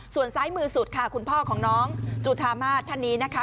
ส่วนซ้ายมือสุดค่ะคุณพ่อของน้องจุธามาศท่านนี้นะคะ